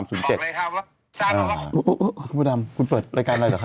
อุ๊ยคุณผู้ดำคุณเปิดรายการอะไรหรือครับ